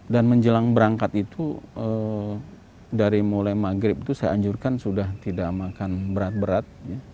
dan menjelang berangkat itu dari mulai maghrib itu saya anjurkan sudah tidak makan berat berat